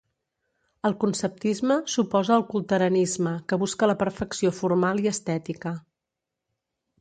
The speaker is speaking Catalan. El conceptisme s'oposa al culteranisme, que busca la perfecció formal i estètica.